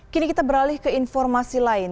kini kita beralih ke informasi lain